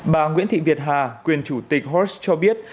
bà nguyễn thị việt hà quyền chủ tịch host cho biết